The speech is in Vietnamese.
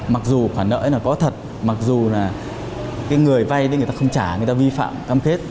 mặc dù khoản nợ có thật mặc dù người vay không trả người ta vi phạm cam kết